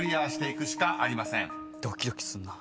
ドキドキすんなぁ。